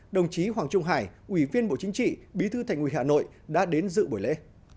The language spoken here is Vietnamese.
đồng chí hoàng trung hải ủy viên bộ chính trị bí thư thành ủy hà nội đã đến dự buổi lễ